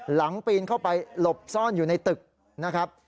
หลบซ่อนอยู่ในตึกนะครับ